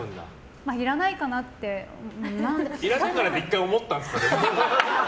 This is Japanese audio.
いらないかなって１回思ったんですか。